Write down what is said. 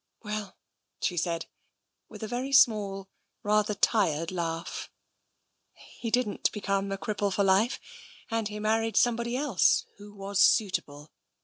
"Well," she said, with a very small, rather tired laugh, "he didn't become a cripple for life, and he married somebody else, who was suitable.